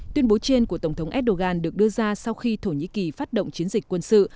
tuyên bố trên của tổng thống erdogan được đưa ra sau khi thổ nhĩ kỳ phát động chiến dịch quân sự